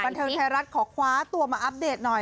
บรรทัยรัฐขอคว้าตัวมาอัพเดตหน่อย